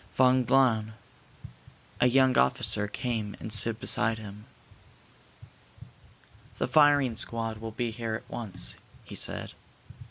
Von Glahn, a young officer, came and stood beside him. "The firing squad will be here at once," he said.